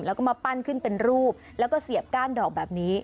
แล้วก็มาปั้นขึ้นเป็นรูปแล้วก็เสียบก้านดอกแบบนี้